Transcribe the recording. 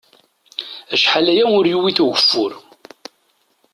Acḥal aya ur yewwit ugeffur.